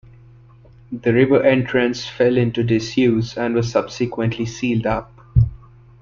The river entrance fell into disuse and was subsequently sealed up.